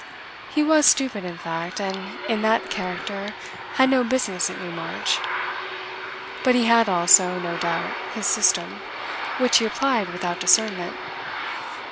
He was stupid in fact, and in that character had no business at Newmarch; but he had also, no doubt, his system, which he applied without discernment.